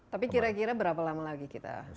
tapi kira kira berapa lama lagi kita